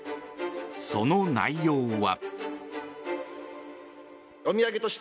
その内容は。